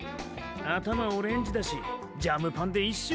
頭オレンジだしジャムパンでいいっショ。